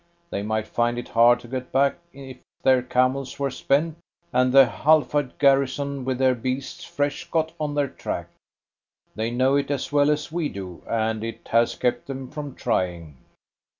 They might find it hard to get back if their camels were spent, and the Halfa garrison with their beasts fresh got on their track. They know it as well as we do, and it has kept them from trying."